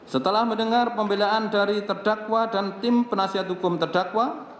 setelah mendengar pembelaan dari terdakwa dan tim penasihat hukum terdakwa